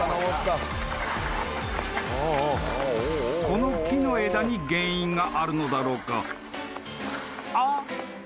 ［この木の枝に原因があるのだろうか？］